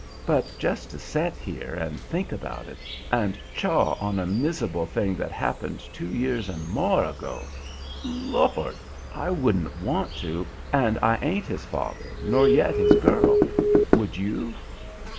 But just to set here and think about it, and chaw on a mis'able thing that happened two years and more ago! Lord! I wouldn't want to, and I ain't his father nor yet his girl. Would you?"